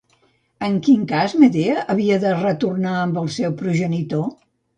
En quin cas Medea havia de retornar amb el seu progenitor?